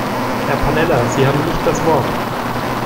Herr Pannella, Sie haben nicht das Wort.